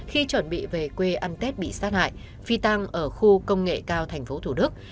khi chuẩn bị về quê ăn tết bị sát hại phi tăng ở khu công nghệ cao tp thủ đức